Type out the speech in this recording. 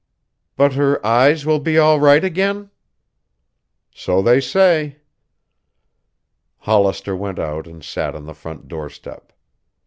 "But her eyes will be all right again?" "So they say." Hollister went out and sat on the front doorstep.